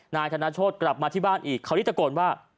นายธนโชธกลับมาที่บ้านอีกคราวนี้ตะโกนว่า